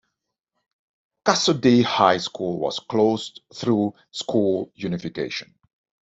Cassoday High School was closed through school unification.